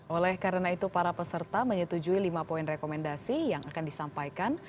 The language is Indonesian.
oleh karena itu para peserta menyetujui lima poin rekomendasi yang akan disampaikan